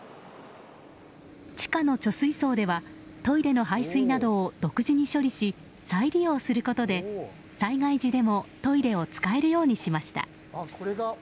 地価の貯水槽ではトイレの排水などを独自に処理し、再利用することで災害時でもトイレを使えるようにしました。